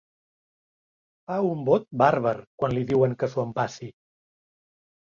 Fa un bot bàrbar quan li diuen que s'ho empassi.